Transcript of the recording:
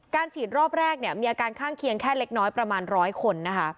ฉีดรอบแรกเนี่ยมีอาการข้างเคียงแค่เล็กน้อยประมาณ๑๐๐คนนะคะ